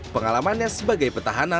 pengalamannya sebagai petahana